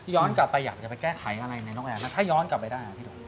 ย้อนกลับไปอยากจะไปแก้ไขอะไรถ้าย้อนกลับไปได้